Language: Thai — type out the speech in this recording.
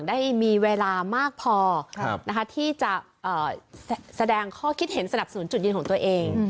ได้มีเวลามากพอที่จะแสดงข้อคิดเห็นสนับสนุนจุดยืนของตัวเอง